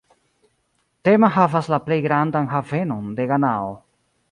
Tema havas la plej grandan havenon de Ganao.